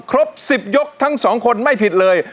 ครบ๑๐ยกทั้งสองคนไม่ผิดเลย